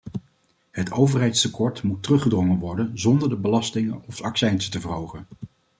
Het overheidstekort moet teruggedrongen worden zonder de belastingen of accijnzen te verhogen.